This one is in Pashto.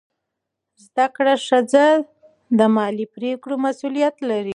زده کړه ښځه د مالي پریکړو مسؤلیت لري.